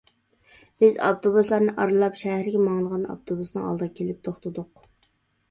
بىز ئاپتوبۇسلارنى ئارىلاپ، شەھەرگە ماڭىدىغان ئاپتوبۇسنىڭ ئالدىغا كېلىپ توختىدۇق.